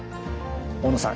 大野さん